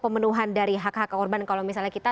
pemenuhan dari hak hak korban kalau misalnya kita